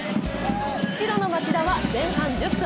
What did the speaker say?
白の町田は前半１０分